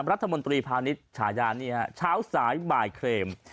รัฐมนตรีพาณิชยานช้าวสายบ่ายเคลม